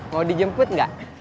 mau dijemput gak